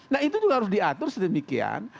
nah itu juga harus diatur sedemikian